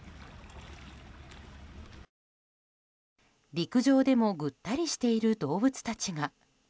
陸上でもぐったりしている動物たちが。